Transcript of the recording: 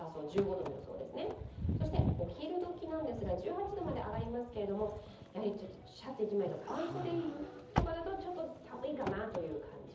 １５度の予想です、お昼時ですが１８度まで上がりますけどやはりシャツ１枚とか半袖とかだとちょっと寒いかなという感じ。